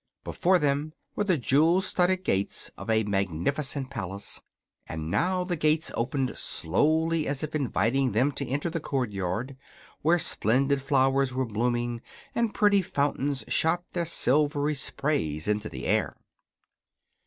Before them were the jewel studded gates of a magnificent palace, and now the gates opened slowly as if inviting them to enter the courtyard, where splendid flowers were blooming and pretty fountains shot their silvery sprays into the air.